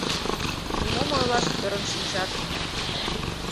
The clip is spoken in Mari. Нимом ойлаш ӧрын шинчат.